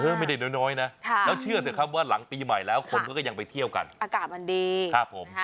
ไม่ได้น้อยนะแล้วเชื่อเถอะครับว่าหลังปีใหม่แล้วคนก็ยังไปเที่ยวกันอากาศมันดีครับผม